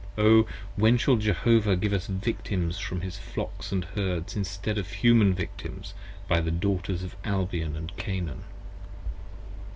30 O, when shall Jehovah give us Victims from his Flocks & Herds, Instead of Human Victims by the Daughters of Albion & Canaan?